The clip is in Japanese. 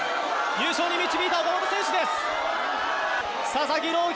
優勝に導いた岡本選手です。